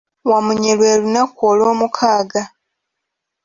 Wamunye lwe lunaku olwomukaaga.